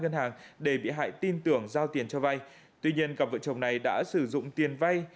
ngân hàng để bị hại tin tưởng giao tiền cho vay tuy nhiên cặp vợ chồng này đã sử dụng tiền vay